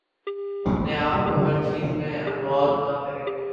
اپنے آپ کو ہر چیز میں انوالو نہ کریں